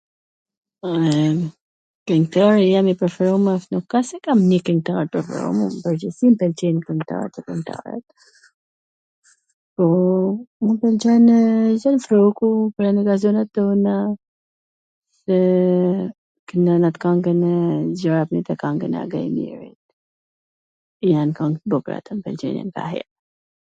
www, kwngtari jem i preferum asht, nuk asht se kam nonj kwngtar t preferum, n pwrgjithsi m pwlqejn kwngtart e kwngtaret, po m pwlqenw Zef Rroku, .... dhe ... knon at kangwn e gjat, at kangwn e Ago Ymerit... jan kang t bukra ato, m pwlqenin ngaer